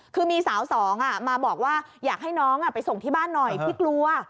คือมีสาวสองมาบอกว่าอยากให้น้องไปส่งที่บ้านหน่อยพี่กลัว